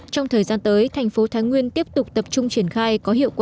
trong thời gian tới thành phố thái nguyên tiếp tục tập trung triển khai có hiệu quả